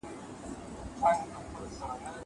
زه اوږده وخت کتابونه لوستل کوم.